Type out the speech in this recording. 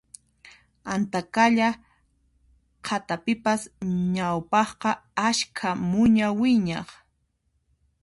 Antaqalla qhatapipas ñawpaqqa askha muña wiñaq